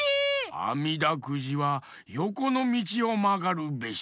あみだくじはよこのみちをまがるべし！